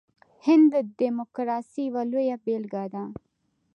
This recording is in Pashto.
هند د ډیموکراسۍ یوه لویه بیلګه ده.